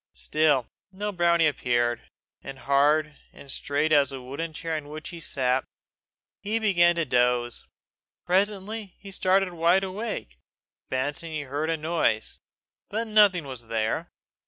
Still no brownie appeared, and, hard and straight as was the wooden chair on which he sat, he began to doze. Presently he started wide awake, fancying he heard a noise; but nothing was there.